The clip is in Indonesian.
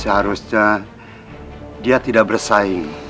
seharusnya dia tidak bersaing